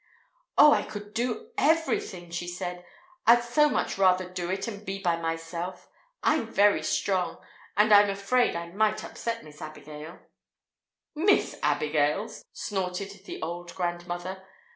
"Oh, I could do everything," she said. "I'd so much rather do it and be by myself. I'm very strong; and I'm afraid I might upset Miss Abigail." "Miss Abigail!" snorted the old grandmother.